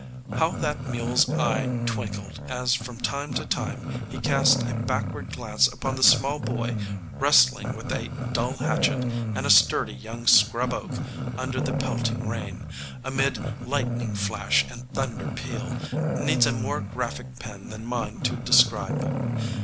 How that mule's eye twinkled as from time to time he cast a backward glance upon the Small Boy wrestling with a dull hatchet and a sturdy young scrub oak under the pelting rain, amid lightning flash and thunder peal, needs a more graphic pen than mine to describe.